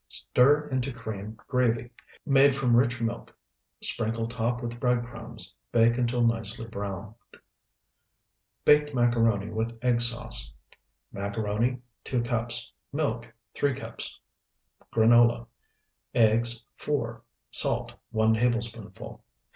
Stir into cream gravy, made from rich milk, sprinkle top with bread crumbs. Bake until nicely browned. BAKED MACARONI WITH EGG SAUCE Macaroni, 2 cups. Milk, 3 cups. Granola. Eggs, 4. Salt, 1 tablespoonful.